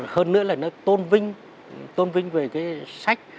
hơn nữa là nó tôn vinh tôn vinh về cái sách